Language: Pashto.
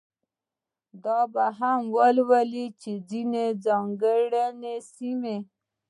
دا به هم ولولو چې ځینې ځانګړې سیمې.